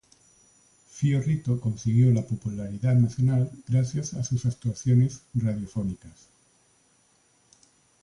Fio Rito consiguió la popularidad nacional gracias a sus actuaciones radiofónicas.